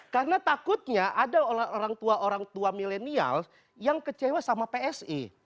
karena takutnya ada orang tua orang tua milenial yang kecewa sama psi